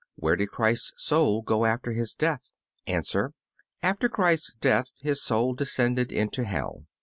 Where did Christ's soul go after His death? A. After Christ's death His soul descended into hell.